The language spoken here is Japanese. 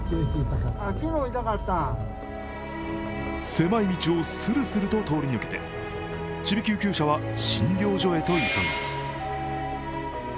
狭い道をするすると通り抜けて、ちび救急車は診療所へと急ぎます。